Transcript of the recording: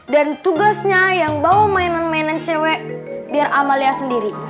dan tugasnya yang bawa mainan mainan cewek biar amalia sendiri